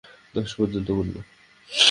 দশ পর্যন্ত গুণবো।